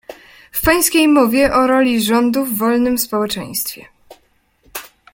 W pańskiej mowie o roli rządu w wolnym społeczeństwie